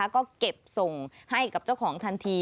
ก็เก็บส่งให้กับเจ้าของทันที